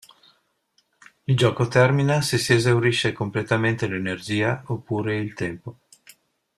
Il gioco termina se si esaurisce completamente l'energia oppure il tempo.